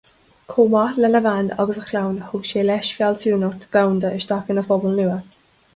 Chomh maith lena bhean agus a chlann, thug sé leis fealsúnacht dhomhanda isteach ina phobal nua.